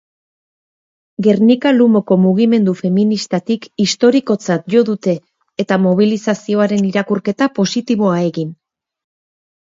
Gernika-Lumoko Mugimendu Feministatik "historikotzat" jo dute, eta mobilizazioaren irakurketa positiboa egin.